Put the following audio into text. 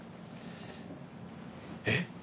えっ！